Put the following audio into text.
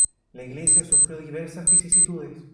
La iglesia sufrió diversas vicisitudes.